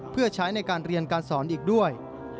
เพื่อใช้ในการเรียนการสอนอีกด้วย